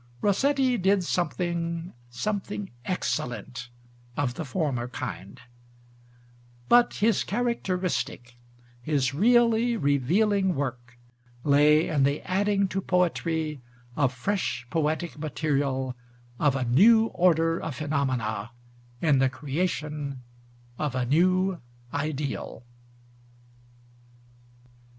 Rossetti did something, something excellent, of the former kind; but his characteristic, his really revealing work, lay in the adding to poetry of fresh poetic material, of a new order of phenomena, in the creation of a new ideal.